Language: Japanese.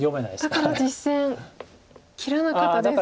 だから実戦切らなかったです。